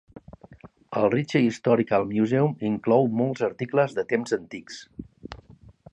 El Richey Historical Museum inclou molts articles de temps antics.